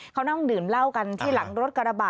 เขานั่งดื่มเหล้ากันที่หลังรถกระบะ